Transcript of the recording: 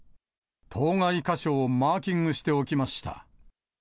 当該箇所をマーキングしておきました。